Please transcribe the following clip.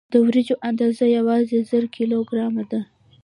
د وریجو اندازه یوازې زر کیلو ګرامه ده.